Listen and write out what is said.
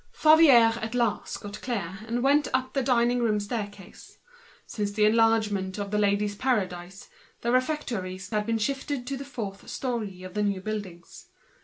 Favier at last got clear and went up the dining room staircase. Since the enlargement of The Ladies' Paradise the refectories had been shifted to the fourth storey in the new buildings.